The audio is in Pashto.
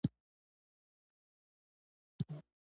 د حاصل د زیاتوالي لپاره باید د خاورې جوړښت ښه وساتل شي.